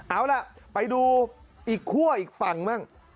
เอาล่ะไปดูอีกคั่วอีกฝั่งบ้าง